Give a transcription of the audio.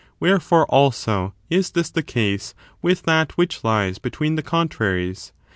Where fore, also, is this the case with that which lies between the con 2. Deductions traries.